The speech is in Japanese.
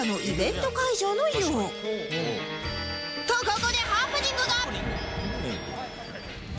ここでハプニングが！